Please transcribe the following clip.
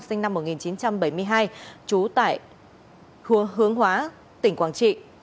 sinh năm một nghìn chín trăm bảy mươi hai trú tại khu hướng hóa tỉnh quảng trị